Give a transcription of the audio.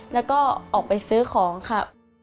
แล้วก็ออกไปซื้อของค่ะ